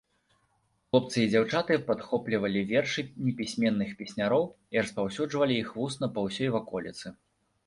Хлопцы і дзяўчаты падхоплівалі вершы непісьменных песняроў і распаўсюджвалі іх вусна па ўсёй ваколіцы.